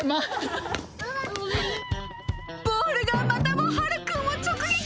ボールがまたもはるくんを直撃。